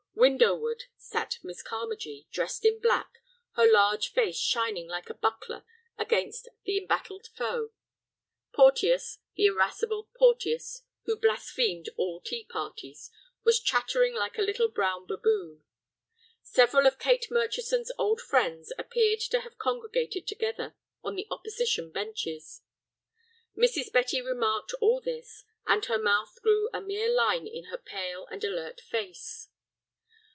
Window ward sat Miss Carmagee, dressed in black, her large face shining like a buckler against the embattled foe. Porteus—the irascible Porteus who blasphemed all tea parties—was chattering like a little brown baboon. Several of Kate Murchison's old friends appeared to have congregated together on the opposition benches. Mrs. Betty remarked all this, and her mouth grew a mere line in her pale and alert face.